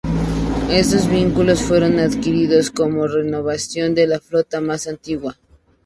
Estos vehículos fueron adquiridos como renovación de la flota más antigua.